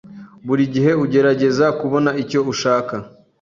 Buri gihe ugerageza kubona icyo ushaka.